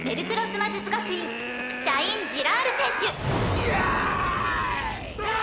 魔術学院シャイン＝ジラール選手イエーイ！